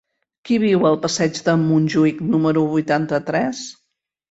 Qui viu al passeig de Montjuïc número vuitanta-tres?